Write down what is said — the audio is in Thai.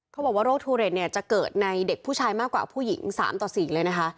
เขาบอกว่าโรคทูเรตเนี่ยจะเกิดในเด็กผู้ชายมากกว่าผู้หญิง๓ต่อ๔เลยนะคะ